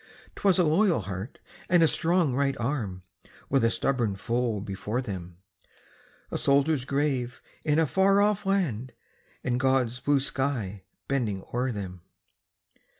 'Twas a loyal heart, and a strong right arm, With a stubborn foe before them; A soldier's grave in a far off land, And God's blue sky bending o'er them.